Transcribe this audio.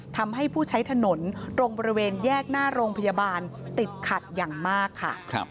ทำให้ผู้ใช้ถนนตรงบริเวณแยกหน้าโรงพยาบาลติดขัดอย่างมากค่ะ